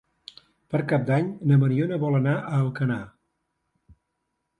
Per Cap d'Any na Mariona vol anar a Alcanar.